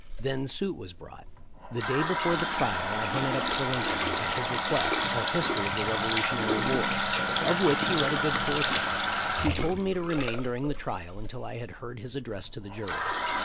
Then suit was brought. The day before the trial I hunted up for Lincoln, at his request, a history of the Revolutionary War, of which he read a good portion. He told me to remain during the trial until I had heard his address to the jury.